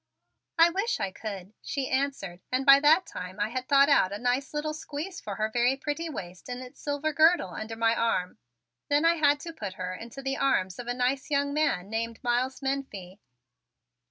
"I wish I could," she answered and by that time I had thought out a nice little squeeze for her very pretty waist in its silver girdle under my arm. Then I had to put her into the arms of a nice young man named Miles Menefee.